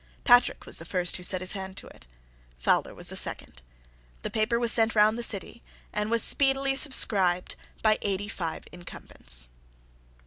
Patrick was the first who set his hand to it; Fowler was the second. The paper was sent round the city, and was speedily subscribed by eighty five incumbents.